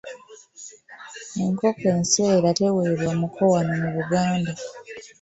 Enkoko enseera teweebwa muko wano mu Buganda.